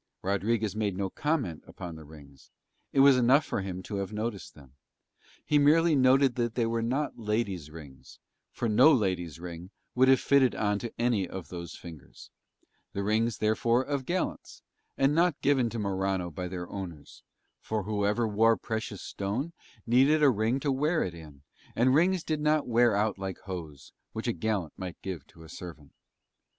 Rodriguez made no comment upon the rings; it was enough for him to have noticed them. He merely noted that they were not ladies' rings, for no lady's ring would have fitted on to any one of those fingers: the rings therefore of gallants: and not given to Morano by their owners, for whoever wore precious stone needed a ring to wear it in, and rings did not wear out like hose, which a gallant might give to a servant.